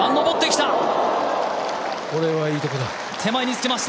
これはいいとこだ！